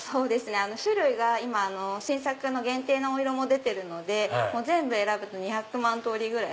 種類が今新作の限定のお色も出てるので全部選ぶと２００万通りぐらい。